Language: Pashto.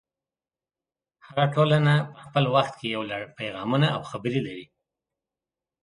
هره ټولنه په خپل وخت کې یو لړ پیغامونه او خبرې لري.